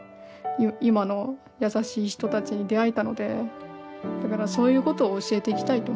今の優しい人たちに出会えたのでだからそういうことを教えていきたいと思ってるんで。